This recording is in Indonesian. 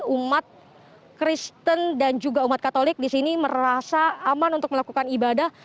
umat kristen dan juga umat katolik di sini merasa aman untuk melakukan ibadah